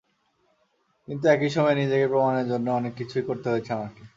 কিন্তু একই সময়ে নিজেকে প্রমাণের জন্য অনেক কিছুই করতে হয়েছে আমাকে।